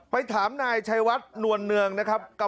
ถามนายชัยวัดนวลเนืองนะครับ